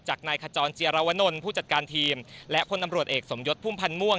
นายขจรเจียรวนลผู้จัดการทีมและคนตำรวจเอกสมยศพุ่มพันธ์ม่วง